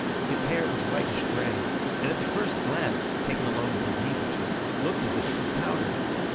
His hair was whitish grey, and at the first glance, taken along with his knee breeches, looked as if it was powdered.